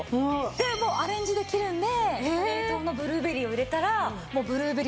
でもうアレンジできるんで冷凍のブルーベリーを入れたらブルーベリーラッシーになるし。